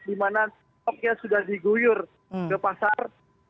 dimana topnya sudah diguyur ke pasar